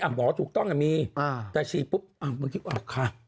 มีอ่ะหมอถูกต้องอ่ะมีเอ้าแต่ฉีดปุ๊บเอ้ามันขี้มาค้า